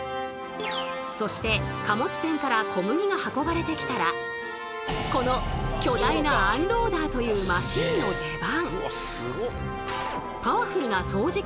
そして貨物船から小麦が運ばれてきたらこの巨大なアンローダーというマシンの出番！